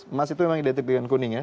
emas itu memang identik dengan kuning ya